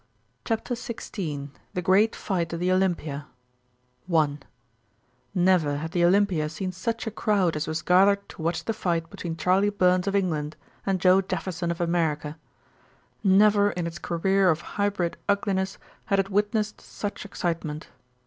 CHAPTER XVI THE GREAT FIGHT AT THE OLYMPIA I Never had the Olympia seen such a crowd as was gathered to watch the fight between Charley Burns of England and Joe Jefferson of America, Never in its career of hybrid ugliness had it witnessed such excitement.